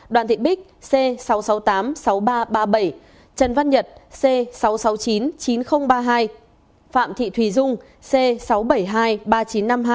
đoàn thị bích c sáu triệu sáu trăm tám mươi sáu nghìn ba trăm ba mươi bảy trần văn nhật c sáu triệu sáu trăm chín mươi chín nghìn ba mươi hai phạm thị thùy dung c sáu triệu bảy trăm hai mươi ba nghìn chín trăm năm mươi hai